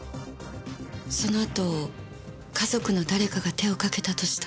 そのあと家族の誰かが手を掛けたとしたら。